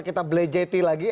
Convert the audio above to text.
kita belajati lagi